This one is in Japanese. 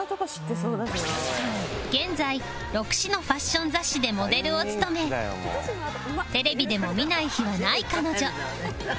現在６誌のファッション雑誌でモデルを務めテレビでも見ない日はない彼女